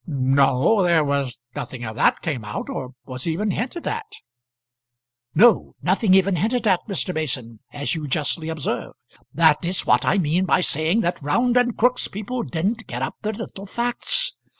"No; there was nothing of that came out; or was even hinted at." "No; nothing even hinted at, Mr. Mason, as you justly observe. That is what I mean by saying that Round and Crook's people didn't get up their little facts.